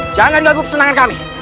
jangan ganggu kesenangan kami